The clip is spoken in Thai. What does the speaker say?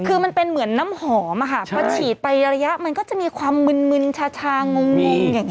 คือมันเป็นเหมือนน้ำหอมอะค่ะพอฉีดไประยะมันก็จะมีความมึนชางงอย่างนี้